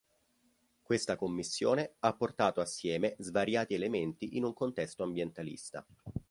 Questa Commissione ha portato assieme svariati elementi in un contesto ambientalista.